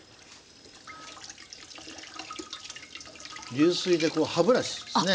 流水でこう歯ブラシですね。